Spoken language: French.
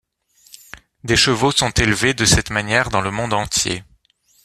Des chevaux sont élevés de cette manière dans le monde entier.